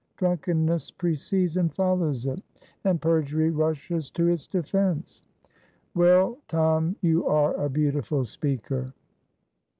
Drunkenness precedes and follows it, and perjury rushes to its defense." "Well, Tom, you are a beautiful speaker."